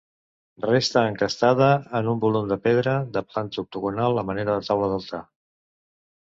Resta encastada en un volum de pedra, de planta octogonal, a manera de taula d'altar.